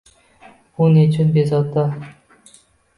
U nechun bezovta?